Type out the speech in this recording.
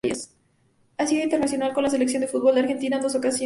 Ha sido internacional con la Selección de fútbol de Argentina en dos ocasiones.